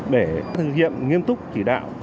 để thực hiện nghiêm túc chỉ đạo